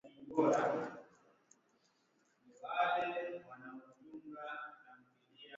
Polisi walipiga kambi usiku wa Ijumaa katika eneo ambako kiongozi mkuu wa upinzani wa chama cha Nelson Chamisa